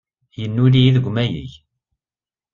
Yennul-iyi deg umayeg.